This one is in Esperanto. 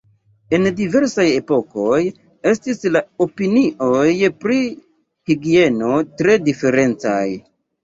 En diversaj epokoj estis la opinioj pri higieno tre diferencaj.